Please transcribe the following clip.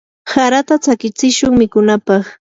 harata tsakichishun mikunapaq.